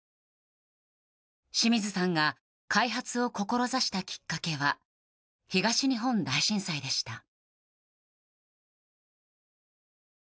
清水さんが開発を志したきっかけは東日本大震災でした。